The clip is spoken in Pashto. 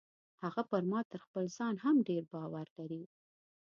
هغه پر ما تر خپل ځان هم ډیر باور لري.